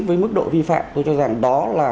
với mức độ vi phạm tôi cho rằng đó là